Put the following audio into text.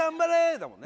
だもんね